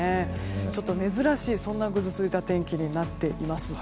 ちょっと珍しいぐずついた天気になっています。